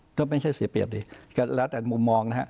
ก็ไม่ใช่เสียเปรียบดิก็แล้วแต่มุมมองนะฮะ